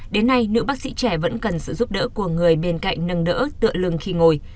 đến nay nữ bác sĩ trẻ vẫn cần sự giúp đỡ của người bên cạnh nâng đỡ tựa lưng khi ngồi